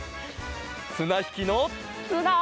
つなひきのつな！